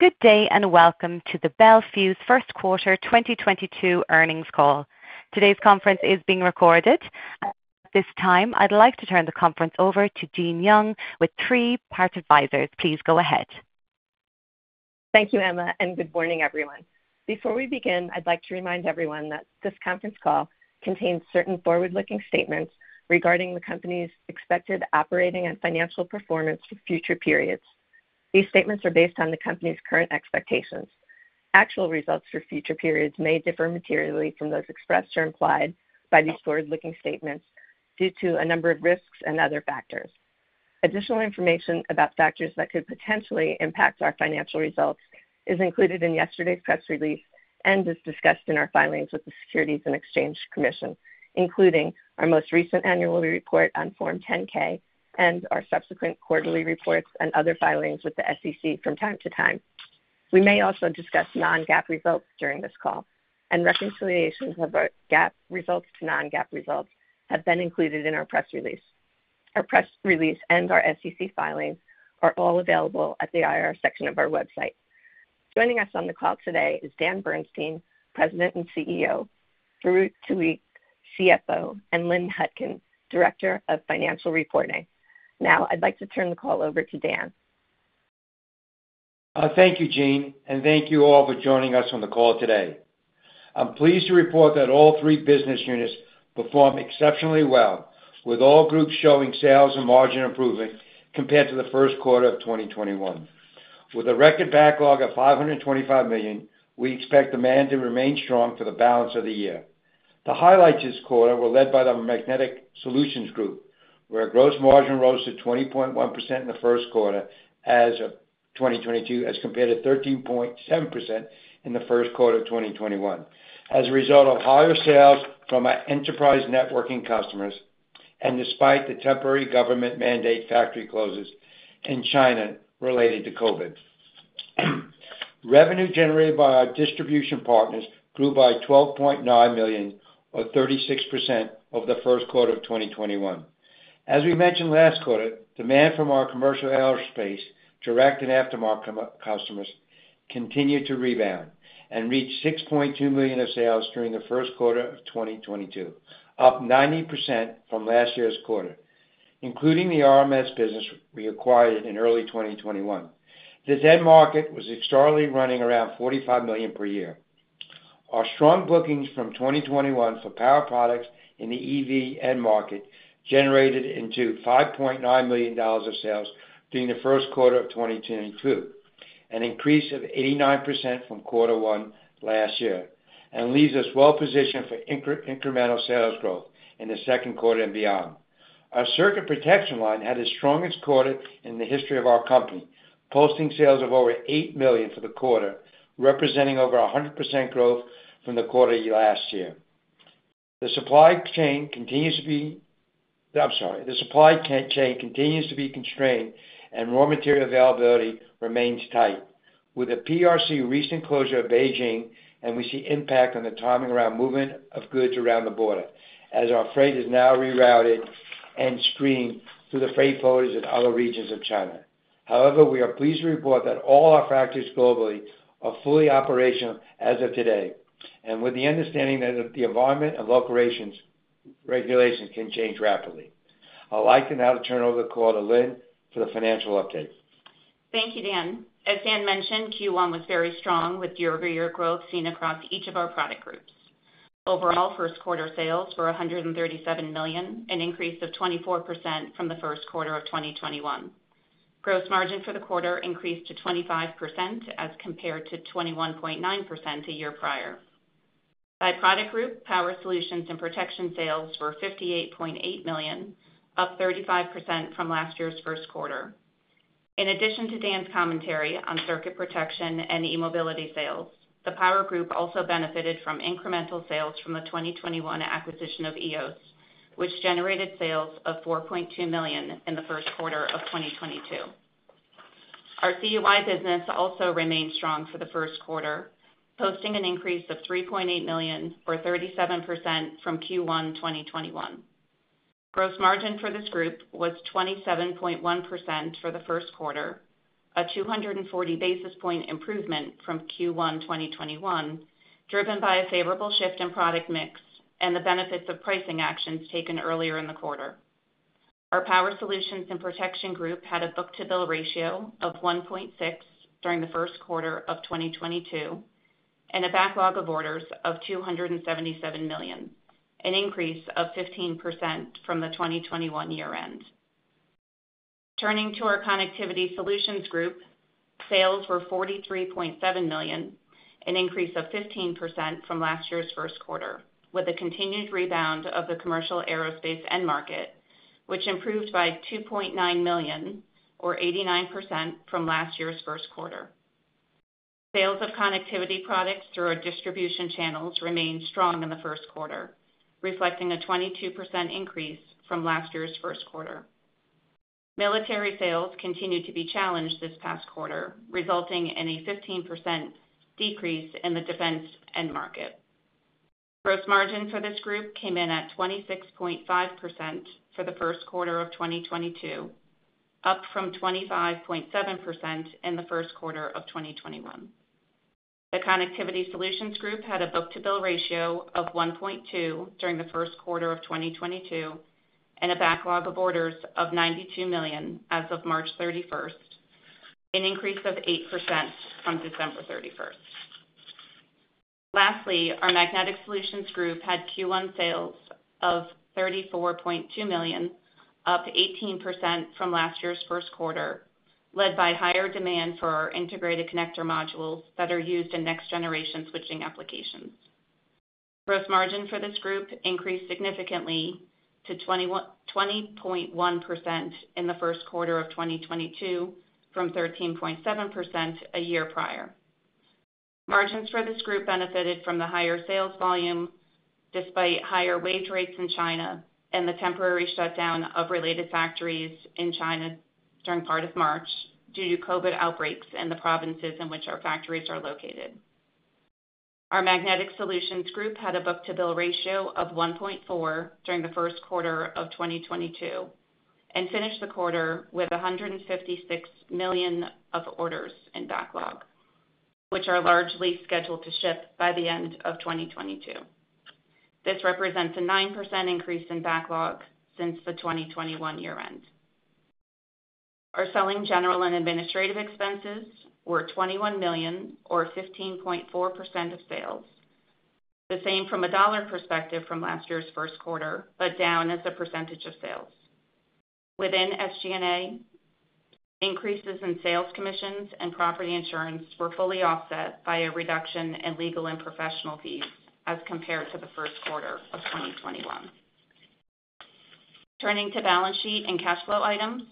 Good day, and welcome to the Bel Fuse Q1 2022 earnings call. Today's conference is being recorded. At this time, I'd like to turn the conference over to Jeanne Young with Three Part Advisors. Please go ahead. Thank you, Emma, and good morning, everyone. Before we begin, I'd like to remind everyone that this conference call contains certain forward-looking statements regarding the company's expected operating and financial performance for future periods. These statements are based on the company's current expectations. Actual results for future periods may differ materially from those expressed or implied by these forward-looking statements due to a number of risks and other factors. Additional information about factors that could potentially impact our financial results is included in yesterday's press release and is discussed in our filings with the Securities and Exchange Commission, including our most recent annual report on Form 10-K and our subsequent quarterly reports and other filings with the SEC from time to time. We may also discuss non-GAAP results during this call, and reconciliations of our GAAP results to non-GAAP results have been included in our press release. Our press release and our SEC filings are all available at the IR section of our website. Joining us on the call today is Dan Bernstein, President and CEO, Farouq Tuweiq, CFO, and Lynn Hutkin, Director of Financial Reporting. Now I'd like to turn the call over to Dan. Thank you, Jeanne, and thank you all for joining us on the call today. I'm pleased to report that all three business units performed exceptionally well, with all groups showing sales and margin improvement compared to Q1 of 2021. With a record backlog of $525 million, we expect demand to remain strong for the balance of the year. The highlights this quarter were led by the Magnetic Solutions Group, where our gross margin rose to 20.1% in Q1 of 2022, as compared to 13.7% in Q1 of 2021. As a result of higher sales from our enterprise networking customers, and despite the temporary government mandated factory closures in China related to COVID. Revenue generated by our distribution partners grew by $12.9 million or 36% from Q1 of 2021. As we mentioned last quarter, demand from our commercial aerospace direct and aftermarket customers continued to rebound and reached $6.2 million of sales during Q1 of 2022, up 90% from last year's quarter, including the RMS business we acquired in early 2021. This end market was historically running around $45 million per year. Our strong bookings from 2021 for power products in the EV end market generated $5.9 million of sales during Q1 of 2022, an increase of 89% from Q1 last year, and leaves us well positioned for incremental sales growth in Q2 and beyond. Our circuit protection line had its strongest quarter in the history of our company, posting sales of over $8 million for the quarter, representing over 100% growth from the quarter last year. The supply chain continues to be constrained and raw material availability remains tight. With the PRC's recent closure of Beijing, we see impact on the timing around movement of goods around the border as our freight is now rerouted and screened through the freight ports of other regions of China. However, we are pleased to report that all our factories globally are fully operational as of today, and with the understanding that the environment and locations regulations can change rapidly. I'd like to now turn over the call to Lynn for the financial update. Thank you, Dan. As Dan mentioned, Q1 was very strong with year-over-year growth seen across each of our product groups. Overall, Q1 sales were $137 million, an increase of 24% from Q1 of 2021. Gross margin for the quarter increased to 25% as compared to 21.9% a year prior. By product group, Power Solutions and Protection sales were $58.8 million, up 35% from last year's Q1. In addition to Dan's commentary on circuit protection and e-mobility sales, the power group also benefited from incremental sales from the 2021 acquisition of EOS, which generated sales of $4.2 million in Q1 of 2022. Our CUI business also remained strong for Q1, posting an increase of $3.8 million or 37% from Q1 2021. Gross margin for this group was 27.1% for Q1, a 240 basis point improvement from Q1 2021, driven by a favorable shift in product mix and the benefits of pricing actions taken earlier in the quarter. Our Power Solutions and Protection group had a book-to-bill ratio of 1.6 during Q1 of 2022, and a backlog of orders of $277 million, an increase of 15% from the 2021 year end. Turning to our Connectivity Solutions group, sales were $43.7 million, an increase of 15% from last year's Q1, with a continued rebound of the commercial aerospace end market, which improved by $2.9 million or 89% from last year's Q1. Sales of connectivity products through our distribution channels remained strong in Q1, reflecting a 22% increase from last year's Q1. Military sales continued to be challenged this past quarter, resulting in a 15% decrease in the defense end market. Gross margin for this group came in at 26.5% for Q1 of 2022, up from 25.7% in Q1 of 2021. The Connectivity Solutions Group had a book-to-bill ratio of 1.2 during Q1 of 2022 and a backlog of orders of $92 million as of March 31st, an increase of 8% from December 31st. Lastly, our Magnetic Solutions Group had Q1 sales of $34.2 million, up 18% from last year's Q1, led by higher demand for our integrated connector modules that are used in next-generation switching applications. Gross margin for this group increased significantly to 20.1% in Q1 of 2022 from 13.7% a year prior. Margins for this group benefited from the higher sales volume despite higher wage rates in China and the temporary shutdown of related factories in China during part of March due to COVID outbreaks in the provinces in which our factories are located. Our Magnetic Solutions Group had a book-to-bill ratio of 1.4 during Q1 of 2022 and finished the quarter with $156 million of orders in backlog, which are largely scheduled to ship by the end of 2022. This represents a 9% increase in backlog since the 2021 year-end. Our selling, general, and administrative expenses were $21 million or 15.4% of sales, the same from a dollar perspective from last year's Q1, but down as a percentage of sales. Within SG&A, increases in sales commissions and property insurance were fully offset by a reduction in legal and professional fees as compared to Q1 of 2021. Turning to balance sheet and cash flow items,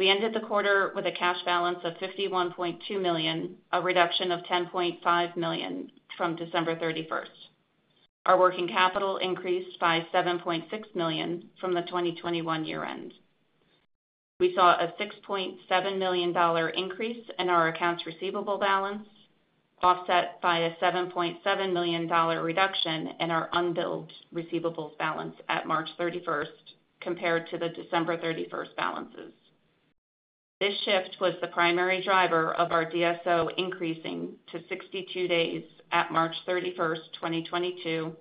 we ended the quarter with a cash balance of $51.2 million, a reduction of $10.5 million from December 31st. Our working capital increased by $7.6 million from the 2021 year-end. We saw a $6.7 million increase in our accounts receivable balance, offset by a $7.7 million reduction in our unbilled receivables balance at March 31st compared to the December 31st balances. This shift was the primary driver of our DSO increasing to 62 days at March 31st, 2022,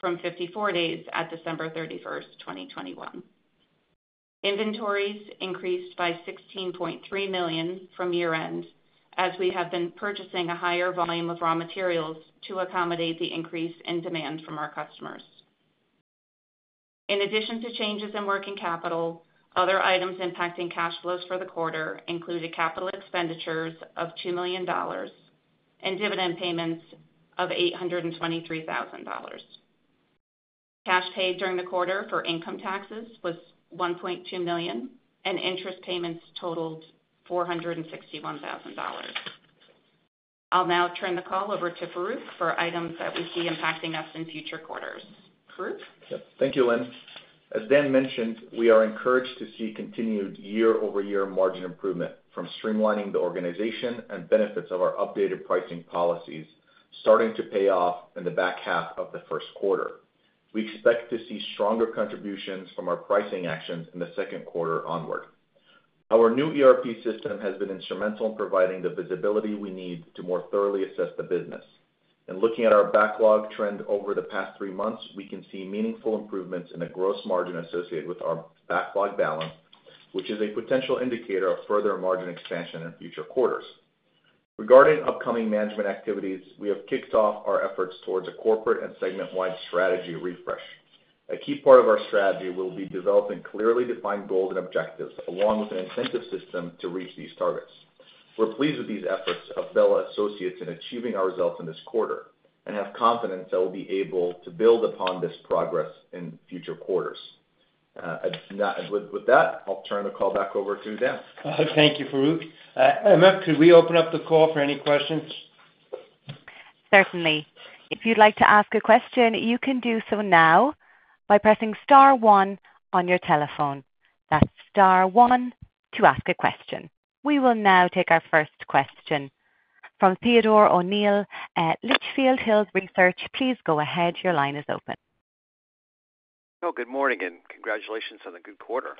from 54 days at December 31st, 2021. Inventories increased by $16.3 million from year-end as we have been purchasing a higher volume of raw materials to accommodate the increase in demand from our customers. In addition to changes in working capital, other items impacting cash flows for the quarter included capital expenditures of $2 million and dividend payments of $823,000. Cash paid during the quarter for income taxes was $1.2 million, and interest payments totaled $461,000. I'll now turn the call over to Farouq for items that we see impacting us in future quarters. Farouq? Yes. Thank you, Lynn. As Dan mentioned, we are encouraged to see continued year-over-year margin improvement from streamlining the organization and benefits of our updated pricing policies starting to pay off in the back half of Q1. We expect to see stronger contributions from our pricing actions in the second quarter onward. Our new ERP system has been instrumental in providing the visibility we need to more thoroughly assess the business. In looking at our backlog trend over the past three months, we can see meaningful improvements in the gross margin associated with our backlog balance, which is a potential indicator of further margin expansion in future quarters. Regarding upcoming management activities, we have kicked off our efforts towards a corporate and segment-wide strategy refresh. A key part of our strategy will be developing clearly defined goals and objectives along with an incentive system to reach these targets. We're pleased with these efforts of fellow associates in achieving our results in this quarter and have confidence that we'll be able to build upon this progress in future quarters. With that, I'll turn the call back over to Dan. Thank you, Farouq. Emma, could we open up the call for any questions? Certainly. If you'd like to ask a question, you can do so now by pressing star one on your telephone. That's star one to ask a question. We will now take our first question from Theodore O'Neill at Litchfield Hills Research. Please go ahead. Your line is open. Good morning, and congratulations on the good quarter.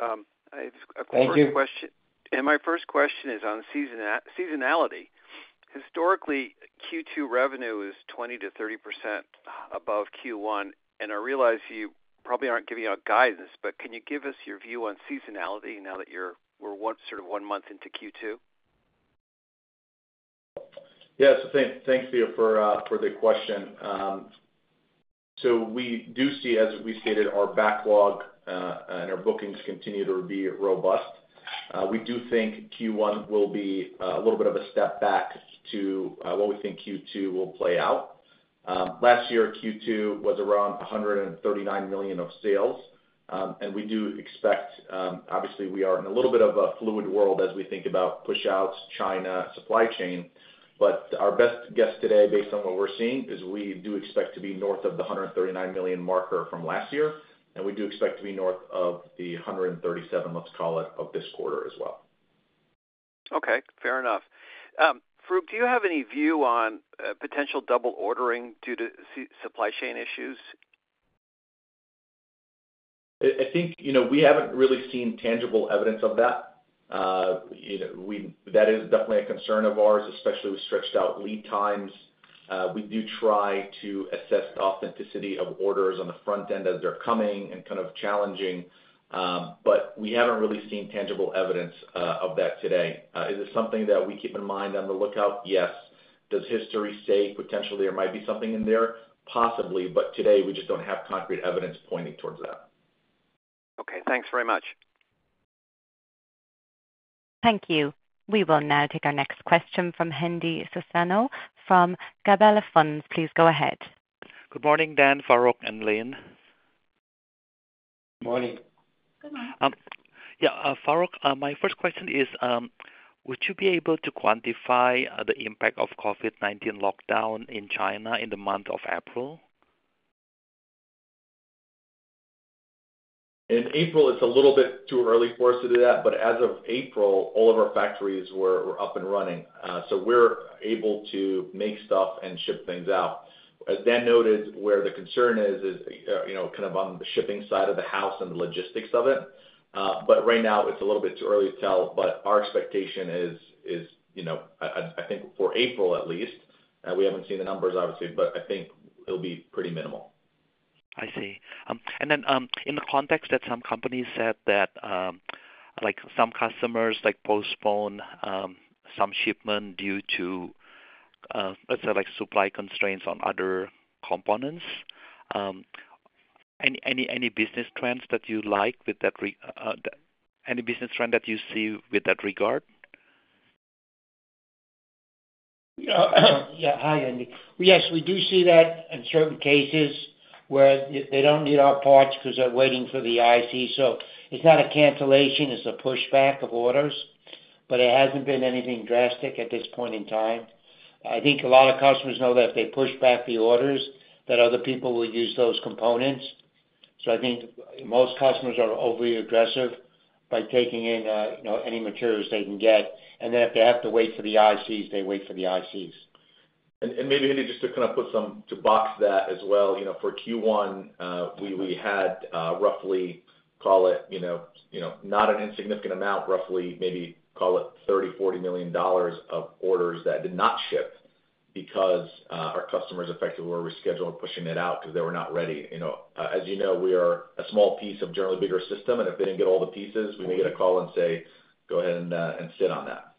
I have a first question. Thank you. My first question is on seasonality. Historically, Q2 revenue is 20%-30% above Q1, and I realize you probably aren't giving out guidance, but can you give us your view on seasonality now that we're, what, one month into Q2? Yes. Thanks, Theo, for the question. We do see, as we stated, our backlog and our bookings continue to be robust. We do think Q1 will be a little bit of a step back to what we think Q2 will play out. Last year, Q2 was around $139 million of sales. We do expect, obviously, we are in a little bit of a fluid world as we think about pushouts, China, supply chain. Our best guess today, based on what we're seeing, is we do expect to be north of the $139 million marker from last year, and we do expect to be north of the $137, let's call it, of this quarter as well. Okay, fair enough. Farouq, do you have any view on potential double ordering due to supply chain issues? I think we haven't really seen tangible evidence of that. That is definitely a concern of ours, especially with stretched out lead times. We do try to assess the authenticity of orders on the front end as they're coming and challenging. We haven't really seen tangible evidence of that today. Is it something that we keep in mind on the lookout? Yes. Does history say potentially there might be something in there? Possibly, but today we just don't have concrete evidence pointing towards that. Okay, thanks very much. Thank you. We will now take our next question from Hendi Susanto from Gabelli Funds. Please go ahead. Good morning, Dan, Farouq, and Lynn. Morning. Good morning. Farouq, my first question is, would you be able to quantify the impact of COVID-19 lockdown in China in the month of April? In April, it's a little bit too early for us to do that, but as of April, all of our factories were up and running. We're able to make stuff and ship things out. As Dan noted, where the concern is on the shipping side of the house and the logistics of it. Right now it's a little bit too early to tell, but our expectation is, I think for April at least, we haven't seen the numbers obviously, but I think it'll be pretty minimal. I see. In the context that some companies said that some customers like postpone some shipment due to, let's say supply constraints on other components, any business trend that you see in that regard? Yes. Hi, Hendi. Yes, we do see that in certain cases where they don't need our parts because they're waiting for the IC. It's not a cancellation, it's a pushback of orders, but it hasn't been anything drastic at this point in time. I think a lot of customers know that if they push back the orders, that other people will use those components. I think most customers are overly aggressive by taking in any materials they can get. Then if they have to wait for the ICs, they wait for the ICs. Maybe Hendi just to box that as well. For Q1, we had roughly, call it, not an insignificant amount, roughly maybe call it $30-$40 million of orders that did not ship because our customers effectively were rescheduling, pushing it out because they were not ready. As you know, we are a small piece of generally a bigger system, and if they didn't get all the pieces, we may get a call and say, "Go ahead and sit on that."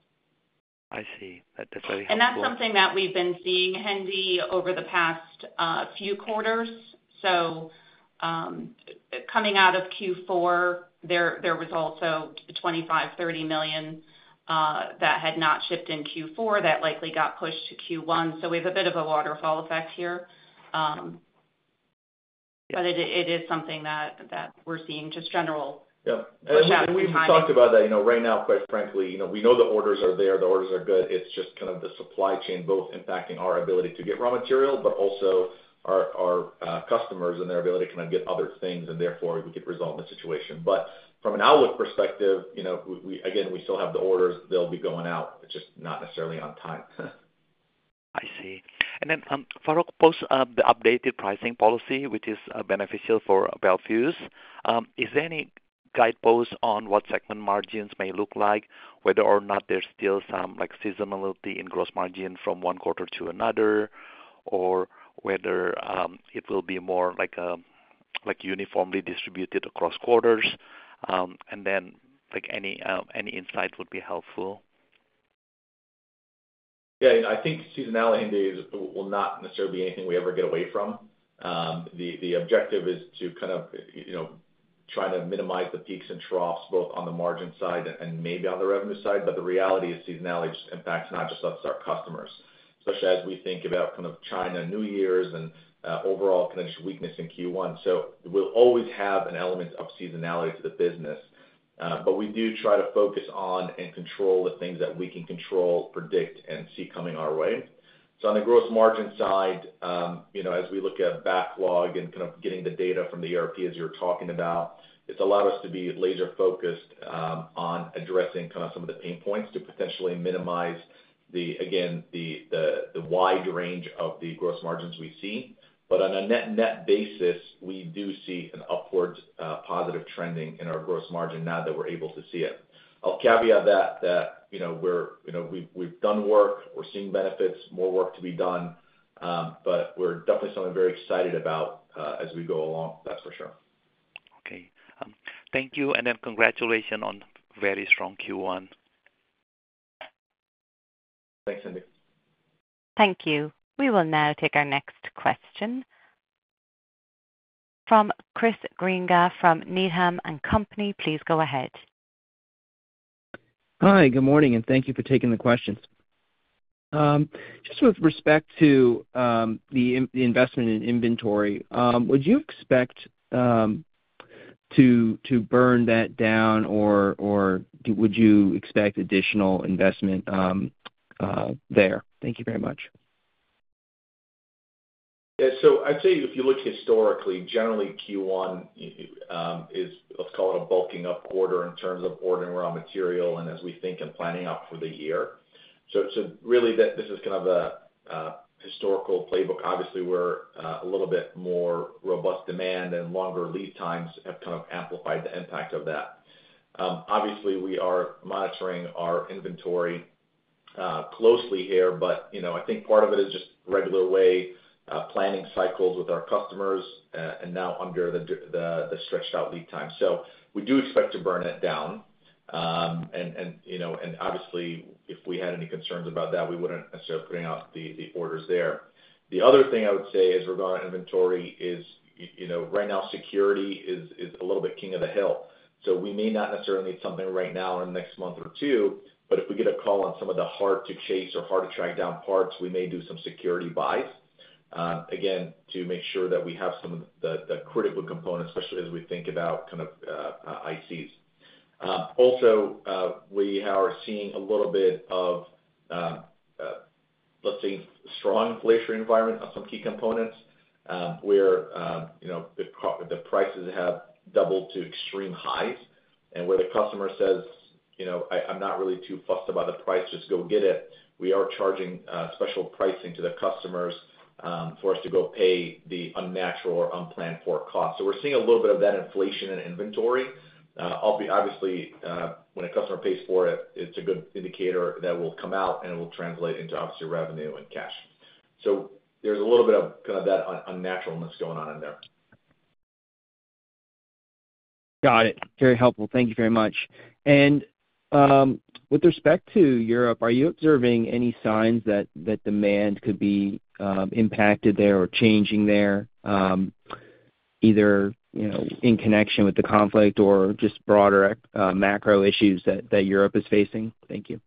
I see. That's very helpful. That's something that we've been seeing, Hendi, over the past few quarters. Coming out of Q4, there was also $25-$30 million that had not shipped in Q4 that likely got pushed to Q1. We have a bit of a waterfall effect here. It is something that we're seeing, just general push out of timing. We even talked about that. Right now, quite frankly, we know the orders are there, the orders are good. It's just the supply chain both impacting our ability to get raw material, but also our customers and their ability to get other things, and therefore we could resolve the situation. From an outlook perspective, again, we still have the orders. They'll be going out, but just not necessarily on time. I see. Then, Farouq, post the updated pricing policy, which is beneficial for Bel Fuse, is there any guideposts on what segment margins may look like? Whether or not there's still some seasonality in gross margin from one quarter to another, or whether it will be more like uniformly distributed across quarters. Then, any insight would be helpful. Yes. I think seasonality, Hendi, will not necessarily be anything we ever get away from. The objective is to try to minimize the peaks and troughs both on the margin side and maybe on the revenue side. The reality is seasonality just impacts not just us, it's our customers, especially as we think about Chinese New Year and overall just weakness in Q1. We'll always have an element of seasonality to the business. We do try to focus on and control the things that we can control, predict, and see coming our way. On the gross margin side, as we look at backlog and kind of getting the data from the ERP as you're talking about, it's allowed us to be laser focused on addressing some of the pain points to potentially minimize the wide range of the gross margins we see again. On a net-net basis, we do see an upward positive trending in our gross margin now that we're able to see it. I'll caveat that we've done work, we're seeing benefits, and more work to be done. We're definitely something very excited about as we go along, that's for sure. Okay. Thank you, and then congratulations on very strong Q1. Thanks, Hendi. Thank you. We will now take our next question from Chris Grenga from Needham & Company. Please go ahead. Hi, good morning, and thank you for taking the questions. Just with respect to the investment in inventory, would you expect to burn that down or would you expect additional investment there? Thank you very much. Yes. I'd say if you look historically, generally Q1 is, let's call it a bulking up quarter in terms of ordering raw material and as we think and planning out for the year. Really, this is the historical playbook. Obviously, we're a little bit more robust demand and longer lead times have amplified the impact of that. Obviously, we are monitoring our inventory closely here, but I think part of it is just regular way planning cycles with our customers and now under the stretched out lead time. We do expect to burn it down. Obviously, if we had any concerns about that, we wouldn't necessarily putting off the orders there. The other thing I would say is regarding inventory. Right now security is a little bit king of the hill. We may not necessarily need something right now or in the next month or two, but if we get a call on some of the hard to chase or hard to track down parts, we may do some security buys, again, to make sure that we have some of the critical components, especially as we think about kind of ICs. Also, we are seeing a little bit of strong inflationary environment on some key components, where the prices have doubled to extreme highs. Where the customer says, "I'm not really too fussed about the price, just go get it," we are charging special pricing to the customers for us to go pay the unnatural or unplanned for cost. We're seeing a little bit of that inflation in inventory. Obviously, when a customer pays for it, it's a good indicator that will come out and it will translate into obviously revenue and cash. There's a little bit of that unnaturalness going on in there. Got it. Very helpful. Thank you very much. With respect to Europe, are you observing any signs that demand could be impacted there or changing there, either in connection with the conflict or just broader macro issues that Europe is facing? Thank you.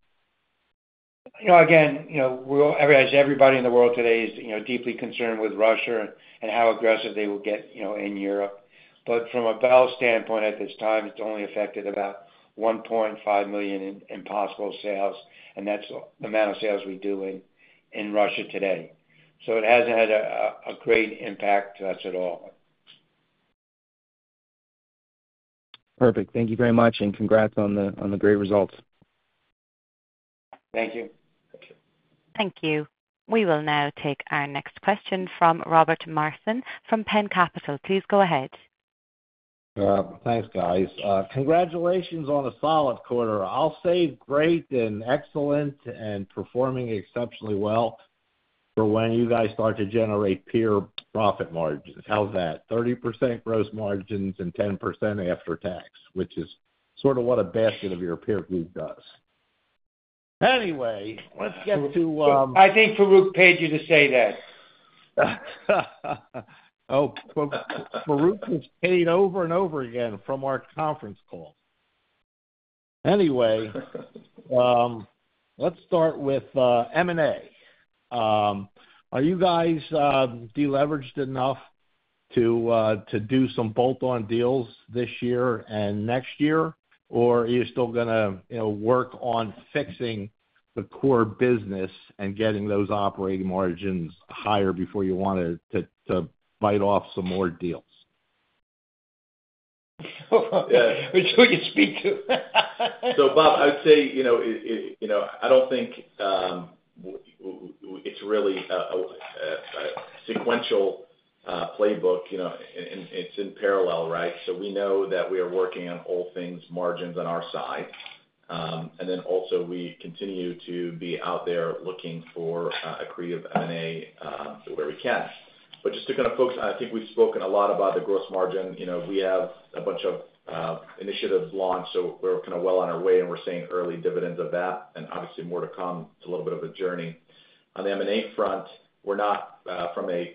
Again, we're all, as everybody in the world today is deeply concerned with Russia and how aggressive they will get in Europe. From a Bel standpoint at this time, it's only affected about $1.5 million in possible sales, and that's the amount of sales we do in Russia today. It hasn't had a great impact to us at all. Perfect. Thank you very much, and congrats on the great results. Thank you. Thank you. Thank you. We will now take our next question from Robert Marston from Penn Capital. Please go ahead. Thanks, guys. Congratulations on a solid quarter. I'll save great and excellent and performing exceptionally well for when you guys start to generate peer-beating profit margins. How's that? 30% gross margins and 10% after tax, which is what a basket of your peer group does. I think Farouq paid you to say that. Farouq is paid over and over again from our conference call. Anyway, let's start with M&A. Are you guys deleveraged enough to do some bolt-on deals this year and next year? Are you still going to work on fixing the core business and getting those operating margins higher before you want to to bite off some more deals? Which we can speak to. Bob, I would say, I don't think it's really a sequential playbook. It's in parallel. We know that we are working on all things margins on our side. Then also, we continue to be out there looking for accretive M&A where we can. Just to focus, I think we've spoken a lot about the gross margin. We have a bunch of initiatives launched, so we're well on our way and we're seeing early dividends of that and obviously more to come. It's a little bit of a journey. On the M&A front, we're not from a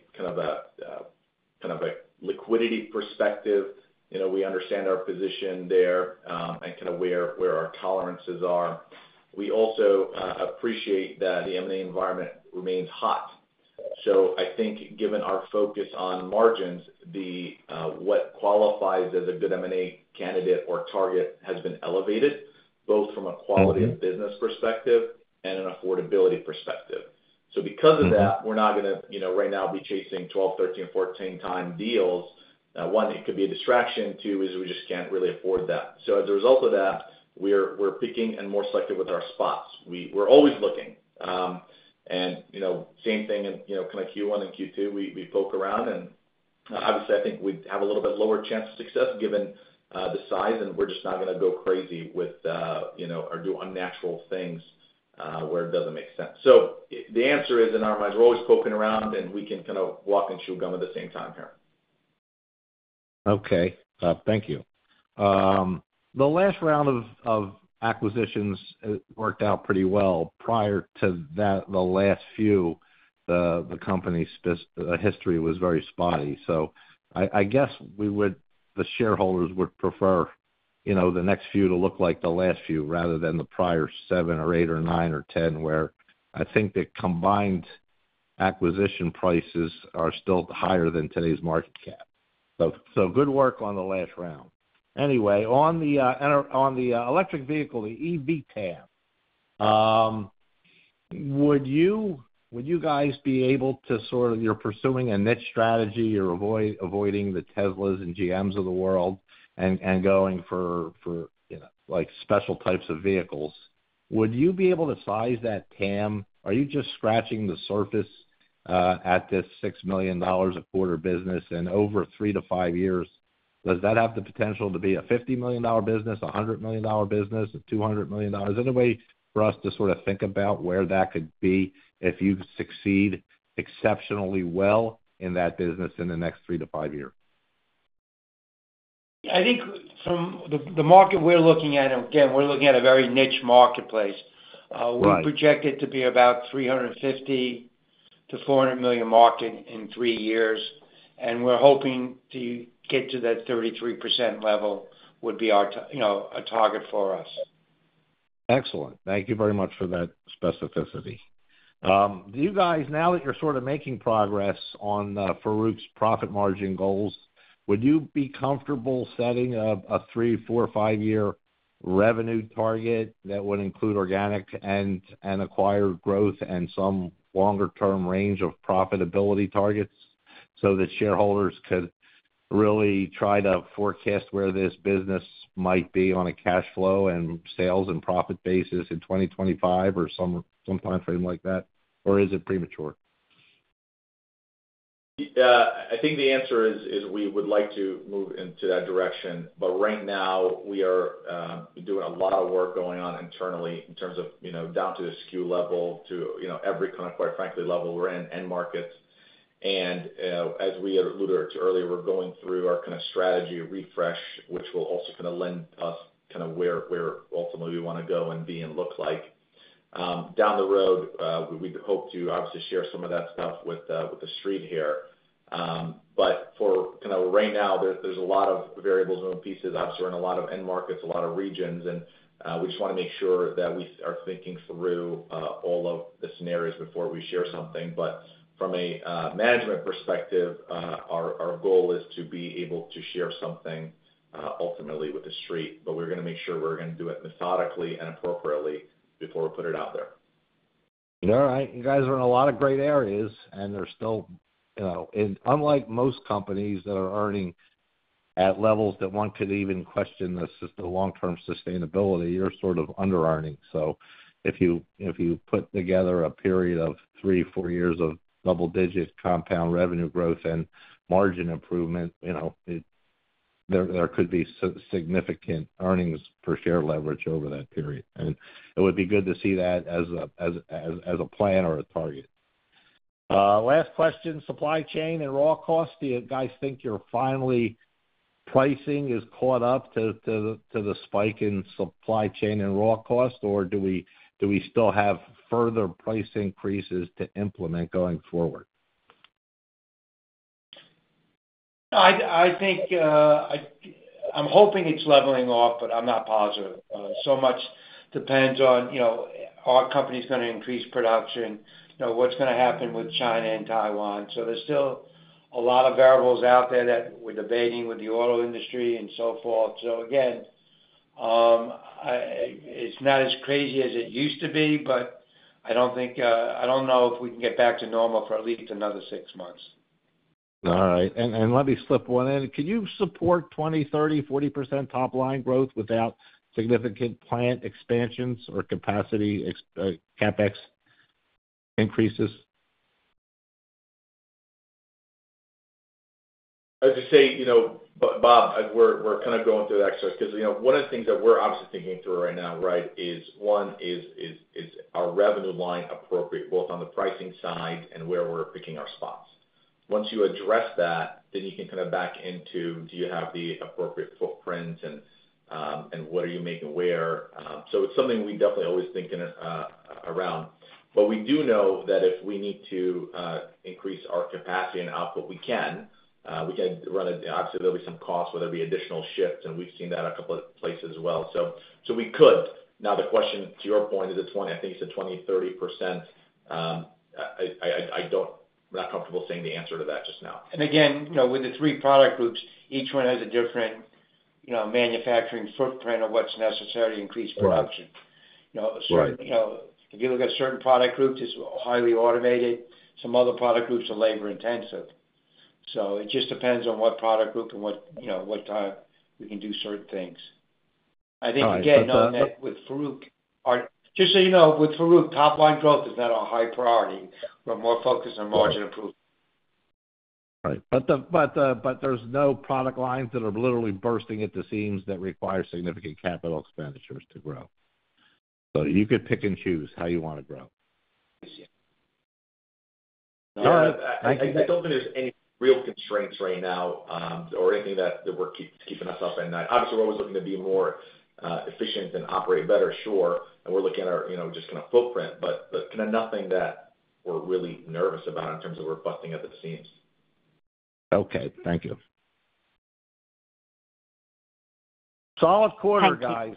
liquidity perspective. We understand our position there and where our tolerances are. We also appreciate that the M&A environment remains hot. I think given our focus on margins, what qualifies as a good M&A candidate or target has been elevated, both from a quality of business perspective and an affordability perspective. Because of that, we're not going to right now be chasing 12, 13, 14 time deals. One, it could be a distraction. Two is we just can't really afford that. As a result of that, we're picking and more selective with our spots. We're always looking. Same thing in Q1 and Q2, we poke around and obviously, I think we have a little bit lower chance of success given the size and we're just not going to go crazy or do unnatural things where it doesn't make sense. The answer is, in our minds, we're always poking around and we can walk and chew gum at the same time here. Okay. Thank you. The last round of acquisitions worked out pretty well. Prior to the last few, the company's history was very spotty. I guess the shareholders would prefer the next few to look like the last few, rather than the prior 7 or 8 or 9 or 10, where I think the combined acquisition prices are still higher than today's market cap. Good work on the last round. Anyway, on the electric vehicle, the EV, would you guys be able to you're pursuing a niche strategy, you're avoiding the Teslas and GMs of the world and going for special types of vehicles? Would you be able to size that TAM? Are you just scratching the surface at this $6 million a quarter business and over three to five years, does that have the potential to be a $50 million business, a $100 million business, $200 million? Is there a way for us to sort of think about where that could be if you succeed exceptionally well in that business in the next three to five years? I think from the market we're looking at, and again, we're looking at a very niche marketplace. Right. We project it to be about $350 million-$400 million market in three years, and we're hoping to get to that 33% level a target for us. Excellent. Thank you very much for that specificity. Now that you're making progress on Farouq's profit margin goals, would you be comfortable setting up a three, four, or five-year revenue target that would include organic and acquired growth and some longer term range of profitability targets so that shareholders could really try to forecast where this business might be on a cash flow and sales and profit basis in 2025 or some time frame like that or is it premature? I think the answer is we would like to move into that direction. Right now, we are doing a lot of work going on internally in terms of down to the SKU level to, every quite frankly, level we're in, end markets. As we alluded to earlier, we're going through our strategy refresh, which will also lend us where ultimately we want to go and be and look like. Down the road, we'd hope to obviously share some of that stuff with the Street here. Right now, there's a lot of variables and pieces, obviously we're in a lot of end markets, a lot of regions, and we just want to make sure that we are thinking through all of the scenarios before we share something. From a management perspective, our goal is to be able to share something ultimately with the Street, but we're going to make sure we do it methodically and appropriately before we put it out there. All right. You guys are in a lot of great areas, and unlike most companies that are earning at levels that one could even question the long-term sustainability, you're under-earning. If you put together a period of three or four years of double-digit compound revenue growth and margin improvement, there could be significant earnings per share leverage over that period, and it would be good to see that as a plan or a target. Last question, supply chain and raw costs. Do you guys think your finally pricing is caught up to the spike in supply chain and raw costs, or do we still have further price increases to implement going forward? I think I'm hoping it's leveling off, but I'm not positive. So much depends on, are companies going to increase production? What's going to happen with China and Taiwan? There's still a lot of variables out there that we're debating with the auto industry and so forth. Again, it's not as crazy as it used to be, but I don't know if we can get back to normal for at least another six months. All right. Let me slip one in. Can you support 20%, 30%, or 40% top line growth without significant plant expansions or capacity CapEx increases? I'll just say, Bob, we're going through that exercise because one of the things that we're obviously thinking through right now is, one, is our revenue line appropriate both on the pricing side and where we're picking our spots? Once you address that, then you can back into do you have the appropriate footprint and what are you making where? It's something we definitely always think about around. We do know that if we need to increase our capacity and output, we can. We can run it. Obviously, there'll be some costs, whether it be additional shifts, and we've seen that a couple of places as well. We could. Now the question, to your point, is it 20%, I think you said 20% or 30%. We're not comfortable saying the answer to that just now. Again, with the three product groups, each one has a different manufacturing footprint of what's necessary to increase production. Right. If you look at certain product groups, it's highly automated. Some other product groups are labor intensive. It just depends on what product group and what time we can do certain things. All right. I think, again, with Farouq or just so you know, with Farouq, top line growth is not a high priority. We're more focused on margin improvement. There's no product lines that are literally bursting at the seams that require significant capital expenditures to grow. You could pick and choose how you want to grow. Yes. All right. Thank you. I don't think there's any real constraints right now, or anything that we're keeping us up at night. Obviously, we're always looking to be more efficient and operate better, sure, and we're looking at our footprint. Nothing that we're really nervous about in terms of we're busting at the seams. Okay. Thank you. Solid quarter, guys.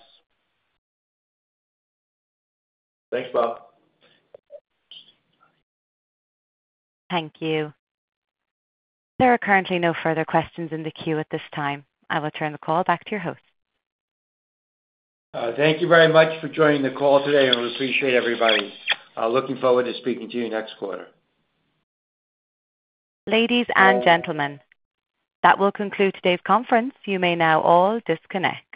Thanks, Bob. Thank you. There are currently no further questions in the queue at this time. I will turn the call back to your host. Thank you very much for joining the call today, and we appreciate everybody. Looking forward to speaking to you next quarter. Ladies and gentlemen, that will conclude today's conference. You may now all disconnect.